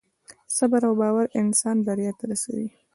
صبر او باور انسان بریا ته رسوي.